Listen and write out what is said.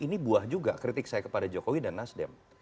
ini buah juga kritik saya kepada jokowi dan nasdem